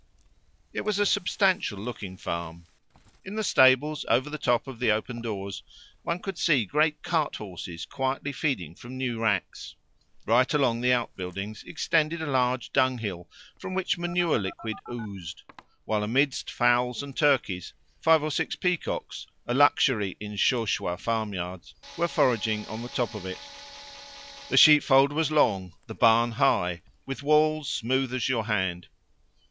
It was a substantial looking farm. In the stables, over the top of the open doors, one could see great cart horses quietly feeding from new racks. Right along the outbuildings extended a large dunghill, from which manure liquid oozed, while amidst fowls and turkeys, five or six peacocks, a luxury in Chauchois farmyards, were foraging on the top of it. The sheepfold was long, the barn high, with walls smooth as your hand.